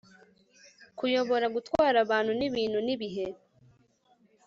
kuyobora gutwara abantu n'ibintu n ibihe